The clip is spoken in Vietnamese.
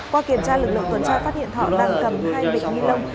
qua kiểm tra lực lượng tuần tra phát hiện thọ đang cầm hai bịch ni lông